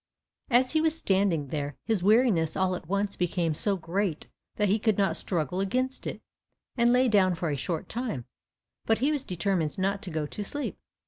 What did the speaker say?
As he was standing there, his weariness all at once became so great that he could not struggle against it, and lay down for a short time, but he was determined not to go to sleep.